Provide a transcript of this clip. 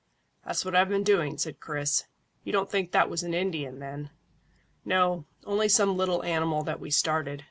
"That's what I've been doing," said Chris. "You don't think that was an Indian, then?" "No; only some little animal that we started.